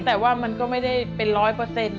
แต่ว่ามันก็ไม่ได้เป็น๑๐๐